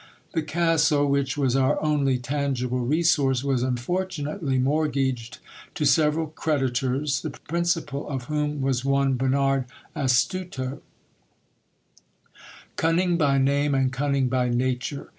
The castle, ■which was our only tangible resource, was unfortunately mortgaged to several creditors, the principal of whom was one Bernard Astute Cunning by name, and cunning by nature